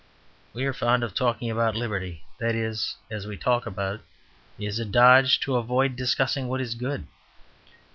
We are fond of talking about "liberty"; that, as we talk of it, is a dodge to avoid discussing what is good.